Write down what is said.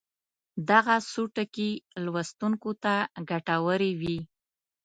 دغه څو ټکي لوستونکو ته ګټورې وي.